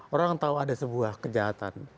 orang tahu ada sebuah kejahatan